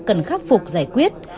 cần khắc phục giải quyết